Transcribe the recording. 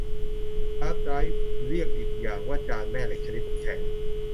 ฮาร์ดไดรฟ์ เรียกอีกอย่างว่าจานแม่เหล็กชนิดแข็ง